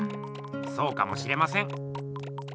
そうかもしれません。